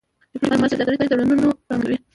ډيپلوماسي د سوداګری تړونونه رامنځته کوي.